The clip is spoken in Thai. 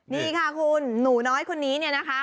นี่ค่ะคุณหนูน้อยคนนี้เนี่ยนะคะ